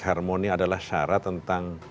harmoni adalah syarat tentang